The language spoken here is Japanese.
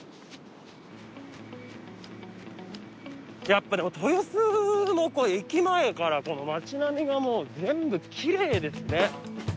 やっぱでも豊洲もこの駅前からこの街並みがもう全部きれいですね建物が。